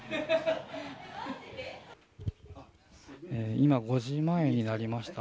今、５時前になりました。